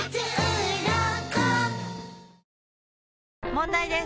問題です！